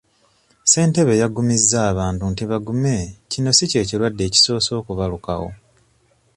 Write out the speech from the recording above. Ssentebe yagumizza abantu nti bagume kino si ky'ekirwadde ekisoose okubalukawo.